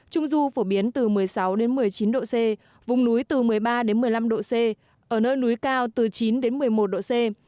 trung du phổ biến từ một mươi sáu một mươi chín độ c vùng núi từ một mươi ba một mươi năm độ c ở nơi núi cao từ chín một mươi một độ c